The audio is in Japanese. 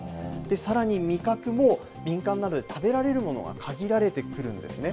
さらに、味覚も敏感なので、食べられるものが限られてくるんですね。